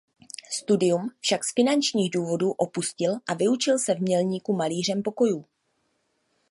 Studium však s finančních důvodů opustil a vyučil se v Mělníku malířem pokojů.